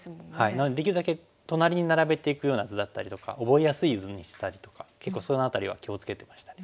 なのでできるだけ隣に並べていくような図だったりとか覚えやすい図にしたりとか結構その辺りは気を付けてましたね。